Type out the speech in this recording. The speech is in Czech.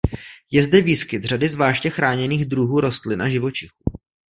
Je zde výskyt řady zvláště chráněných druhů rostlin a živočichů.